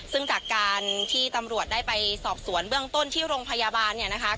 ซึ่งจากการที่ตำรวจได้ไปสอบสวนเบื้องต้นที่โรงพยาบาลเนี่ยนะคะ